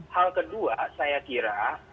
hal kedua saya kira